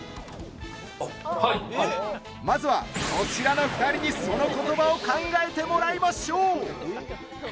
まずはこちらの２人にその言葉を考えてもらいましょう。